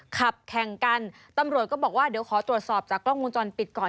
ขับแข่งกันตำรวจก็บอกว่าเดี๋ยวขอตรวจสอบจากกล้องวงจรปิดก่อน